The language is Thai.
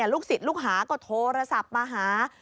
ลูกศิษย์ลูกหาก็โทรศัพท์มาหา